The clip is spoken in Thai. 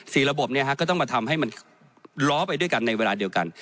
ระบบเนี่ยฮะก็ต้องมาทำให้มันล้อไปด้วยกันในเวลาเดียวกัน